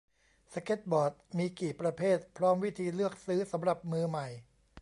สเกตบอร์ดมีกี่ประเภท พร้อมวิธีเลือกซื้อสำหรับมือใหม่